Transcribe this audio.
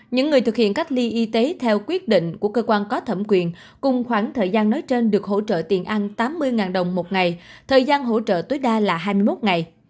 những người thực hiện cách ly y tế theo quyết định của cơ quan có thẩm quyền cùng khoảng thời gian nói trên được hỗ trợ tiền ăn tám mươi đồng một ngày thời gian hỗ trợ tối đa là hai mươi một ngày